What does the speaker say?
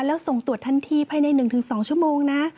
แล้วส่งตรวจทันทีภายใน๑๒ชั่วโมงนะ